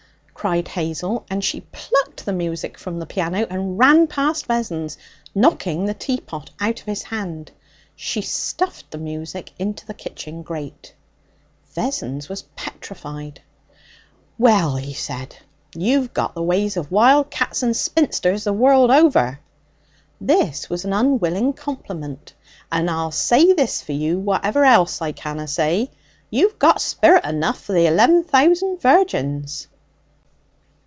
cried Hazel, and she plucked the music from the piano and ran past Vessons, knocking the teapot out of his hand. She stuffed the music into the kitchen grate. Vessons was petrified. 'Well,' he said, 'you've got the ways of wild cats and spinsters the world over.' This was an unwilling compliment. 'And I'll say this for you, whatever else I canna say, you've got sperit enough for the eleven thousand virgins!'